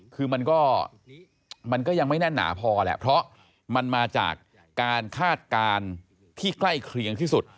คือมันก็มันก็ยังไม่แน่นหนาพอแหละเพราะมันมาจากการคาดการณ์ที่ใกล้เคียงที่สุด